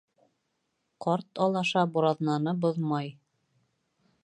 Ҡарт алаша бураҙнаны боҙмай.